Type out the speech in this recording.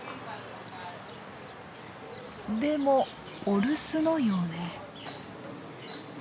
でもお留守のようね。